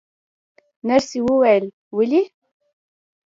نرسې وویل: ولې؟